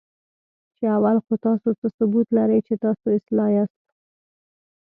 چې اول خو تاسو څه ثبوت لرئ، چې تاسو اصلاح یاست؟